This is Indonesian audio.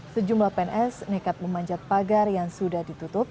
sejumlah pns nekat memanjat pagar yang sudah ditutup